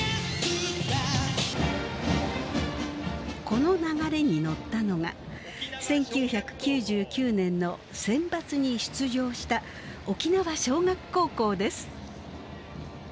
この流れに乗ったのが１９９９年のセンバツに出場した沖縄尚学高校です。